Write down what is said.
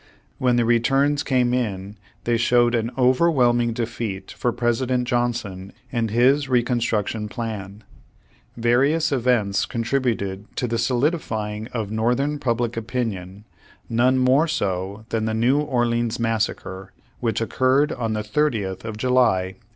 When the returns came in they showed an overwhelming defeat for President Johnson and his Reconstruction plan. Various events contributed to the solidifying of Northern public opinion, none more so than the New Orleans massacre, which occurred on the 30th of July, 1866.